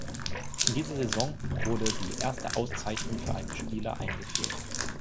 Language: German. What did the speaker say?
In dieser Saison wurde die erste Auszeichnung für einen Spieler eingeführt.